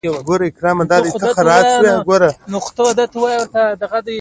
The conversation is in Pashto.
ولې باید په کړاوو کې خپله زندګي تېره کړې